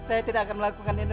saya tidak akan melakukan ini